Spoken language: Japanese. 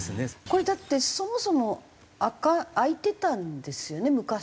これだってそもそも開いてたんですよね昔は。